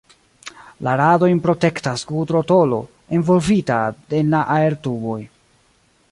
La radojn protektas gudro-tolo, envolvita en la aertuboj.